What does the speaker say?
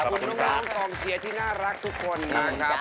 ขอบคุณน้องกองเชียร์ที่น่ารักทุกคนนะครับ